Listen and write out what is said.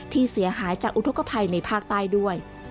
ที่เสียหายจากอุทธกภัยในภาคใต้ด้วย